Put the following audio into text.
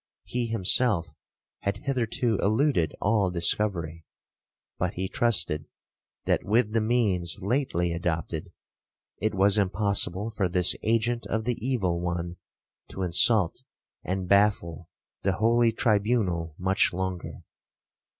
He himself had hitherto eluded all discovery; but he trusted, that, with the means lately adopted, it was impossible for this agent of the evil one to insult and baffle the holy tribunal much longer.